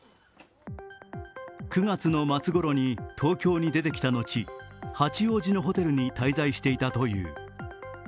９月の末ごろに東京に出てきた後八王子のホテルに滞在していたという。